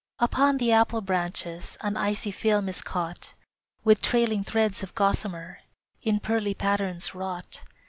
Upon the apple branches An icy film is caught, With trailing threads of gossamer In pearly patterns wrought.